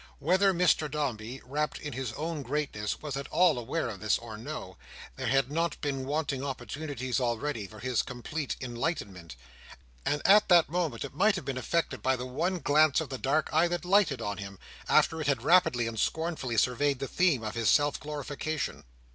Whether Mr Dombey, wrapped in his own greatness, was at all aware of this, or no, there had not been wanting opportunities already for his complete enlightenment; and at that moment it might have been effected by the one glance of the dark eye that lighted on him, after it had rapidly and scornfully surveyed the theme of his self glorification.